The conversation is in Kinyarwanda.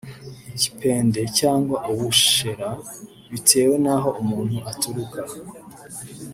igipende cyangwa ubushera bitewe n’aho umuntu aturuka